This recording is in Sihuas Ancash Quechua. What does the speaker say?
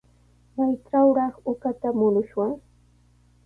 ¿Maytrawraq uqata murushwan?